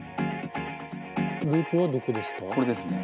ループはどこですか？